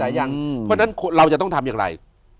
เพราะฉะนั้นเราจะต้องทำอย่างไร